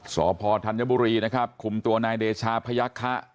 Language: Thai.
สพธัญบุรีนะครับคุมตัวนายเดชาพยักษะ